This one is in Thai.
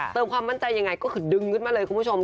เติมความมั่นใจก็คือดึงเข้ามาแล้วคุณผู้ชม